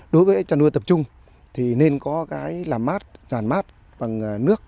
đối với chăn nuôi tập trung thì nên có cái làm mát giàn mát bằng nước